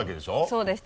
そうです。